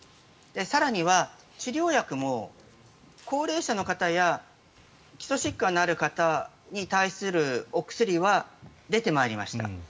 更には治療薬も、高齢者の方や基礎疾患のある方に対するお薬は出てまいりました。